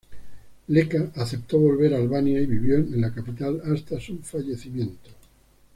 Leka aceptó volver a Albania y vivió en la capital hasta su fallecimiento.